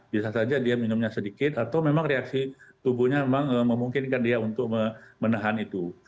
bisa saja dia minumnya sedikit atau memang reaksi tubuhnya memang memungkinkan dia untuk menahan itu